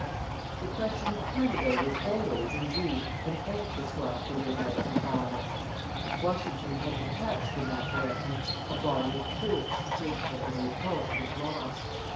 The question of Canada was always, indeed, an anxious one for the American colonists; Washington had detached in that direction a body of troops which had been repulsed with loss.